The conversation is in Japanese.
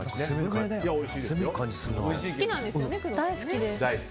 大好きです。